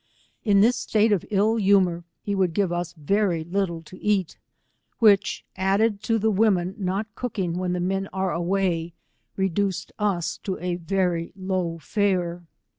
In this state of ill humour ho would give us very little to eat, which added to the women not cooking whea ■the men are ^way, reduced us to a very low fare.